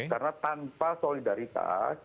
karena tanpa solidaritas